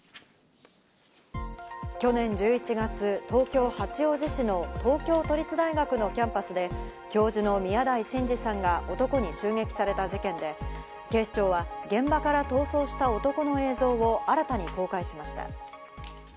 去年１１月、東京・八王子市の東京都立大学のキャンパスで教授の宮台真司さんが男に襲撃された事件で、警視庁は現場から逃走した男の映像を新たに公開しました。